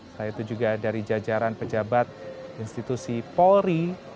selain itu juga dari jajaran pejabat institusi polri